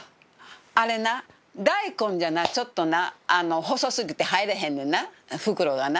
あれな大根じゃなちょっとな細すぎて入れへんねんな袋がな。